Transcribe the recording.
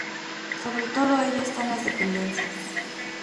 Sobre todo ello están las dependencias.